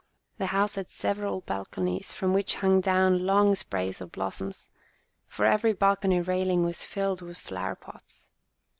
The house had several balconies, from which hung down long sprays of blossoms, for every balcony railing was filled with flower pots.